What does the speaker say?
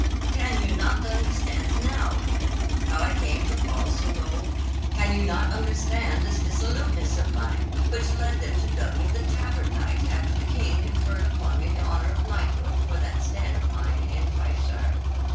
"Can you not understand now, Kenneth, how I came to fall so low? Can you not understand this dissoluteness of mine, which led them to dub me the Tavern Knight after the King conferred upon me the honour of knighthood for that stand of mine in Fifeshire?